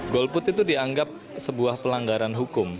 golput itu dianggap sebuah pelanggaran hukum